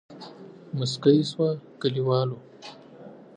موسکۍ شوه کليوال وو.